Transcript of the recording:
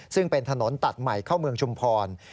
ซึ่งเป็นถนนตัดใหม่เข้าเมืองชุมพร